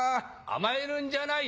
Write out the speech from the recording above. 甘えるんじゃない。